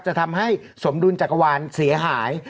จะทำให้สมดุลจักรวาลเสียหาย